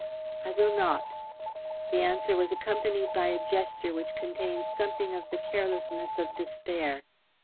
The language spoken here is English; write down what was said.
"I will not." The answer was accompanied by a gesture which contained something of the carelessness of despair.